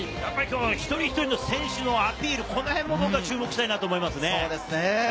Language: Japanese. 一人一人の選手のアピール、注目したいと思います。